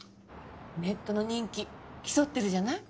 ネットの人気競ってるじゃない？